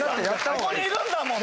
ここにいるんだもんだって。